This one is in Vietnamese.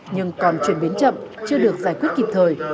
nhưng còn chuyển biến chậm chưa được giải quyết kịp thời